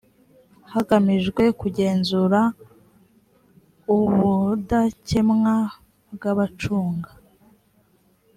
hagamijwe kugenzura ubudakemwa bw abacunga